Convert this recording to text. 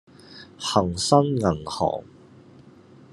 恒生銀行